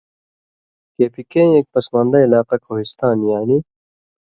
کے پی کے ایں ایک پسماندہ علاقہ کوہستان یعنی